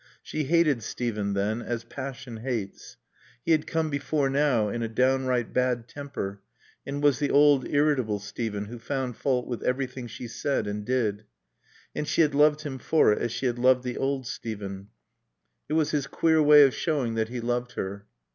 She hated Steven then, as passion hates. He had come before now in a downright bad temper and was the old, irritable Steven who found fault with everything she said and did. And she had loved him for it as she had loved the old Steven. It was his queer way of showing that he loved her.